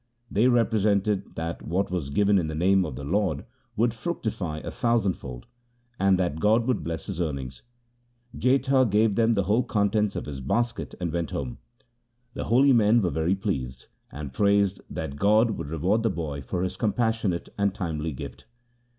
They represented that what was given in the name of the Lord would fructify a thousandfold, and that God would bless his earnings. Jetha gave them the whole contents of his basket and went home. The holy men were very pleased, and prayed that God LIFE OF GURU AMAR DAS 89 would reward the boy for his compassionate and timely gift.